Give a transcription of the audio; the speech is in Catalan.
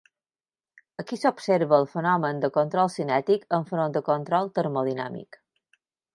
Aquí s’observa el fenomen de control cinètic enfront de control termodinàmic.